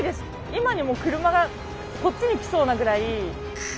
今にも車がこっちにきそうなぐらい。